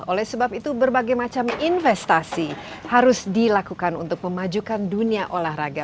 oleh sebab itu berbagai macam investasi harus dilakukan untuk memajukan dunia olahraga